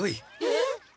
えっ？